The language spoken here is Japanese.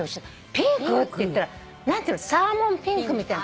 ピンク！？って言ったらなんていうのサーモンピンクみたいな。